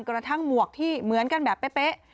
กระทั่งหมวกที่เหมือนกันแบบเป๊ะ